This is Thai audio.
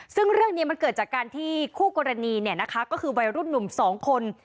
ซึ่งเรื่องนี้มันเกิดจากการที่คู่กรณีก็คือวัยรุ่นหนุ่ม๒คน